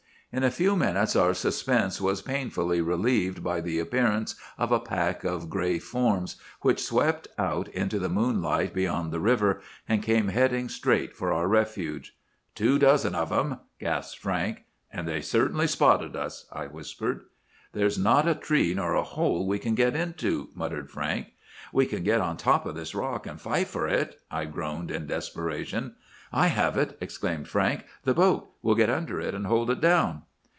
In a few minutes our suspense was painfully relieved by the appearance of a pack of gray forms, which swept out into the moonlight beyond the river, and came heading straight for our refuge. "'Two dozen of 'em!' gasped Frank. "'And they've certainly spotted us,' I whispered. "'There's not a tree nor a hole we can get into!' muttered Frank. "'We can get on top of this rock, and fight for it,' I groaned in desperation. "'I have it!' exclaimed Frank. 'The boat! We'll get under it, and hold it down!